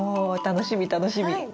お楽しみ楽しみ。